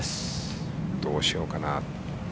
どうしようかなと。